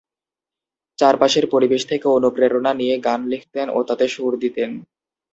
চারপাশের পরিবেশ থেকে অনুপ্রেরণা নিয়ে গান লিখতেন ও তাতে সুর দিতেন।